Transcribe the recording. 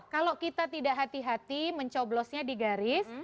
kalau kita tidak hati hati mencoblosnya di garis